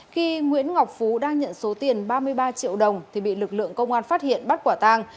khi nguyễn ngọc phú đang nhận số tiền ba mươi ba triệu đồng thì bị lực lượng công an phát hiện bắt quả tang